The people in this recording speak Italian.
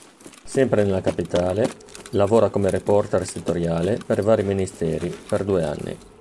Sempre nella capitale, lavora come reporter settoriale per vari ministeri, per due anni.